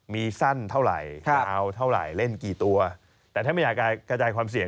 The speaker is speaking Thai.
มีสั้นเท่าไหร่เล่นกี่ตัวแต่ถ้าไม่อยากกระจายความเสี่ยง